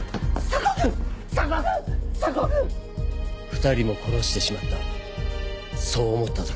２人も殺してしまったそう思った時。